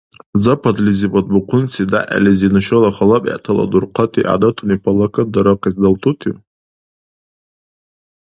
Западлизибад бухъунси дягӀлизи нушала хала бегӀтала дурхъати гӀядатуни палакатдарахъес далтутив?